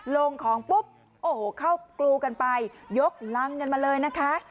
ลงของปุ๊บโอ้โหเข้ากรูกันไปยกรังกันมาเลยนะคะ